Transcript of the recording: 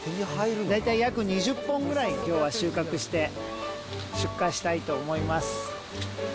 大体約２０本ぐらい、きょうは収穫して出荷したいと思います。